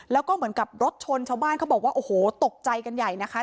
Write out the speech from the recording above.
แล้วก็เหมือนกับรถชนชาวบ้านเขาบอกว่าโอ้โหตกใจกันใหญ่นะคะ